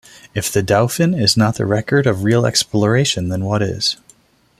If the Dauphin is not the record of real exploration, then what is it?